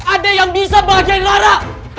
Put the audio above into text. adik yang bisa bahagiain rara